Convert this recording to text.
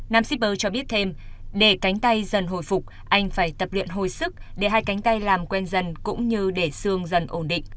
nam shipper cho biết thêm để cánh tay dần hồi phục anh phải tập luyện hồi sức để hai cánh tay làm quen dần cũng như để sương dần ổn định